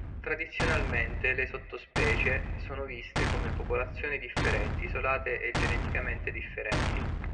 Tradizionalmente le sottospecie sono viste come popolazioni differenti isolate e geneticamente differenti.